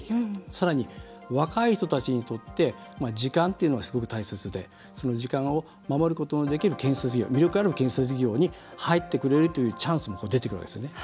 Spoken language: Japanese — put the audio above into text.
さらに若い人たちにとって時間っていうのは、すごく大切でその時間を守ることのできる建設業、魅力ある建設業に入ってくれるというチャンスも出てくるわけですね。